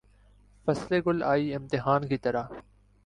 فصل گل آئی امتحاں کی طرح